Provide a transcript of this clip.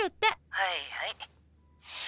はいはい。